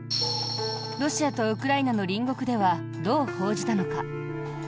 ロシアとウクライナの隣国ではどう報じたのか。